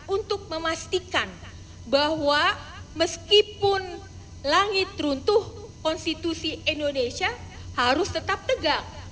untuk memastikan bahwa meskipun langit runtuh konstitusi indonesia harus tetap tegak